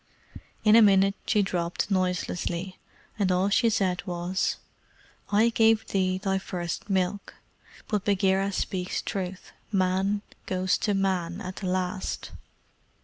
In a minute she dropped noiselessly, and all she said was: "I gave thee thy first milk; but Bagheera speaks truth: Man goes to Man at the last."